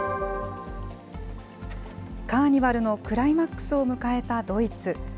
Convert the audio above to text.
カーニバルのクライマックスを迎えたドイツ。